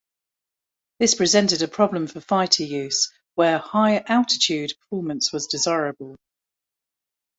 This presented a problem for fighter use, where high-altitude performance was desirable.